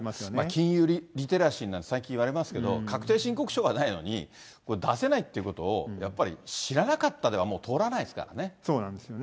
金融リテラシーなんて、最近言われますけれども、確定申告書がないのに、出せないってことを、やっぱり知らなかったでは通らないですからね。